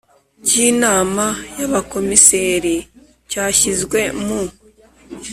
cy Inama y Abakomiseri cyashyizwe mu